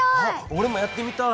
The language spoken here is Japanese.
おれもやってみたい。